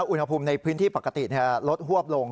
อุณหภูมิในพื้นที่ปกติลดหวบลง